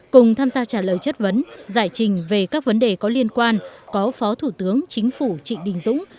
cùng tham gia trả lời chất vấn giải trình về các vấn đề có liên quan có phó thủ tướng chính phủ trịnh đình dũng